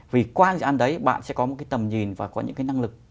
vì qua dự án đấy bạn sẽ có một cái tầm nhìn và có những cái năng lực